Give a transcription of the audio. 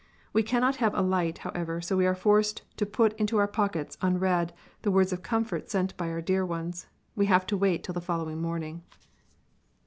We cannot have a light, however, so we are forced to put into our pockets, unread, the words of comfort sent by our dear ones we have to wait till the following morning.